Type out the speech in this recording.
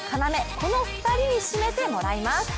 この２人に締めてもらいます。